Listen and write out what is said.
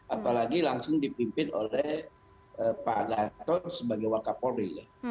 apalagi langsung dipimpin oleh pak gatot sebagai wak kapolri